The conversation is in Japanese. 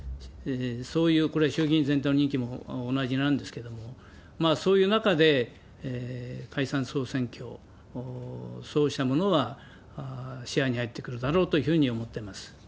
そういう、これ衆議員全体の任期も同じなんですけれども、そういう中で、解散・総選挙、そうしたものは視野に入ってくるだろうというふうに思ってます。